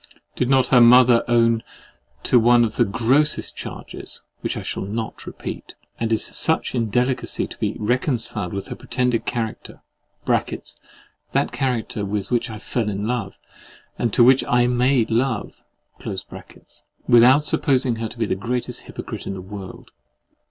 Did not her mother own to one of the grossest charges (which I shall not repeat)—and is such indelicacy to be reconciled with her pretended character (that character with which I fell in love, and to which I MADE LOVE) without supposing her to be the greatest hypocrite in the world?